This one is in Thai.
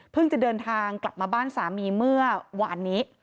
จะเดินทางกลับมาบ้านสามีเมื่อวานนี้